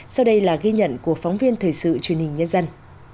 sau đây là ghi nhận của phóng viên thời sự truyền hình nhân dân